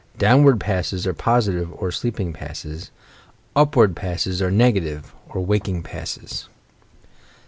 Downward passes are positive or sleeping passes; upward passes are negative or waking passes.